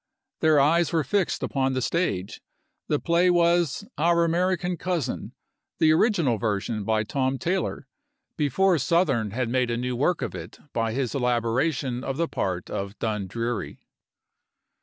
Their eyes were fixed upon the stage; the play was "Our American Cousin," the original version by Tom Taylor, before Sothern had made a new work of it by his elaboration of the part of Dundreary.